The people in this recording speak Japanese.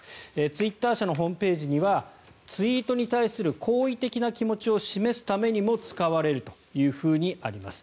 ツイッター社のホームページにはツイートに対する好意的な気持ちを示すためにも使われるとあります。